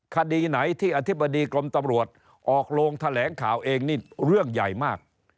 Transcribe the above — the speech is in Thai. คดีไหนที่อธิบดีกรมตำรวจออกโลงแถลงข่าวเองนี่เรื่องใหญ่มาก